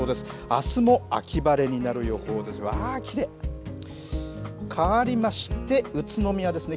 あすも秋晴れになる予報ですが、あー、きれい。かわりまして、宇都宮ですね。